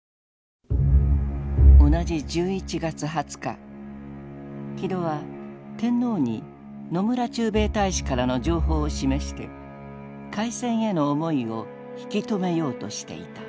同じ１１月２０日木戸は天皇に野村駐米大使からの情報を示して開戦への思いを引き止めようとしていた。